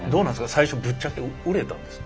最初ぶっちゃけ売れたんですか？